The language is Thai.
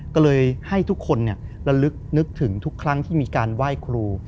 ก็เลยให้ทุกคนระลึกนึกถึงทุกครั้งที่มีการไหว้ครู